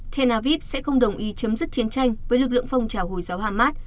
tel aviv sẽ không đồng ý chấm dứt chiến tranh với lực lượng phong trào hồi giáo hamas